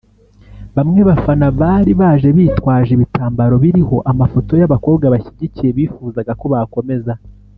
Bamwe bafana bari baje bitwaje ibitambaro biriho amafoto y’abakobwa bashyigikiye bifuzaga ko bakomeza